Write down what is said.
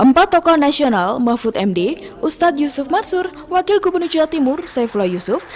empat tokoh nasional mahfud md ustadz yusuf mansur wakil gubernur jawa timur saifullah yusuf